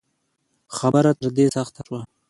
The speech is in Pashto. خبره تر دې سخته شوه